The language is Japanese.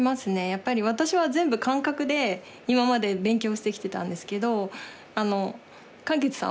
やっぱり私は全部感覚で今まで勉強してきてたんですけど。